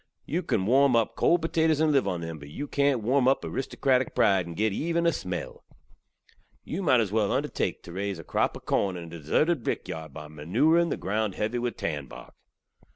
Yu kan warm up kold potatoze and liv on them, but yu kant warm up aristokratik pride and git even a smell. Yu might az well undertake tew raze a krop ov korn in a deserted brikyard by manuring the ground heavy with tanbark.